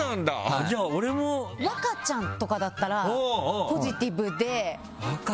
若ちゃんとかだったらポジティブで。